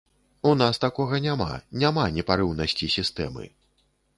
У нас такога няма, няма непарыўнасці сістэмы.